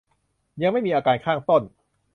ยังไม่มีอาการข้างต้น